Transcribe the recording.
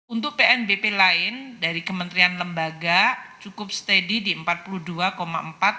untuk pnbp lain dari kementerian lembaga cukup steady di empat puluh dua empat triliun